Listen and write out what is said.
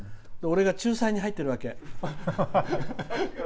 俺が仲裁に入ってるわけ。